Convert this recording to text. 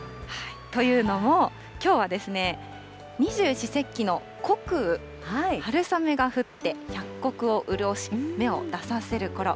というのも、きょうは二十四節気の穀雨、春雨が降って百穀をうるおし、芽を出させるころ。